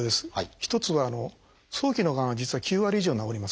一つは早期のがんは実は９割以上治ります。